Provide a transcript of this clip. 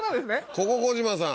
ここ小島さん？